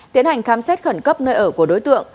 tiến hành khám xét khẩn cấp nơi ở của đối tượng